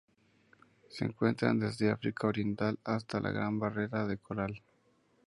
Se encuentran desde África Oriental hasta la Gran Barrera de Coral.